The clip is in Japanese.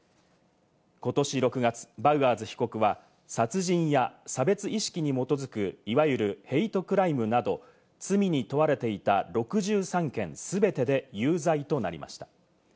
ことし６月、バウアーズ被告は殺人や差別意識に基づく、いわゆるヘイトクライムなど、罪に問われていた６３件全てで有罪となりました。